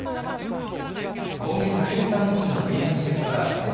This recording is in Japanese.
今月１３日の降り始めからけさ